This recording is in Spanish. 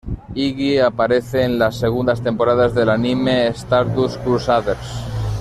Iggy aparece en las segunda temporadas del anime de Stardust Crusaders.